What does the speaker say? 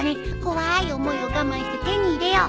怖ーい思いを我慢して手に入れよう！